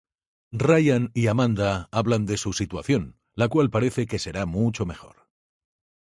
Ryan y Amanda hablan de su situación, la cual parece que será mucho mejor.